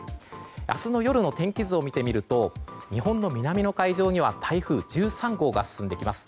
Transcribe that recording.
明日の夜の天気図を見てみると日本の南の海上には台風１３号が進んできます。